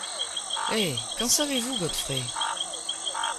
Eh ! qu’en savez-vous, Godfrey ?